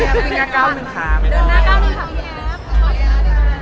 ดูหน้าเก้าหนึ่งค้า